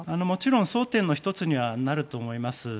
もちろん争点の１つにはなると思います。